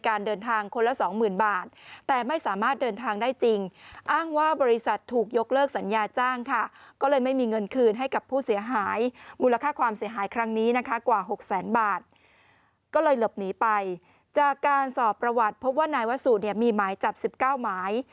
ก็เลยหลบหนีไปจากการสอบประวัติพบว่านายวสูตรเนี่ยมีหมายจับ๑๙หมาย